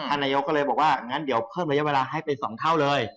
นายกก็เลยบอกว่างั้นเดี๋ยวเพิ่มระยะเวลาให้เป็น๒เท่าเลย